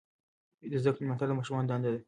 د زده کړې ملاتړ د ماشومانو دنده ده.